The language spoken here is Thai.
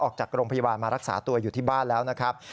ออกจากโรงพยาบาลมารักษาตัวอยู่ที่บ้านแล้วนะครับ